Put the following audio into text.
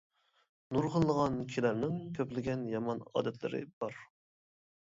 نۇرغۇنلىغان كىشىلەرنىڭ كۆپلىگەن يامان ئادەتلىرى بار.